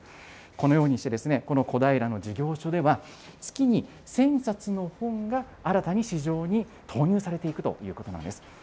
このようにして、この小平の事業所では、月に１０００冊の本が新たに市場に投入されていくということなんです。